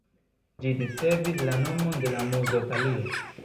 Ĝi ricevis la nomon de la muzo Talio.